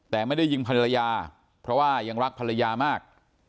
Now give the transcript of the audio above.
แต่ไม่ได้ยิงภรรยาเพราะว่ายังรักภรรยามาก